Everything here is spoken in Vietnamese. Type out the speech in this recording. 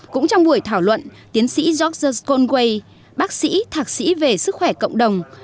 cũng trong buổi thảo luận tiến sĩ george s conway bác sĩ thạc sĩ về sức khỏe cộng đồng